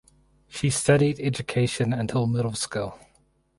She studied education until middle school.